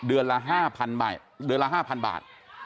เดือนละ๕๐๐๐บาท